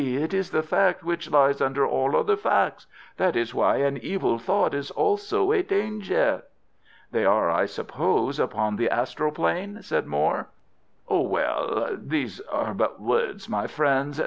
It is the fact which lies under all other facts. That is why an evil thought is also a danger." "They are, I suppose, upon the astral plane?" said Moir. "Ah, well, these are but words, my friends.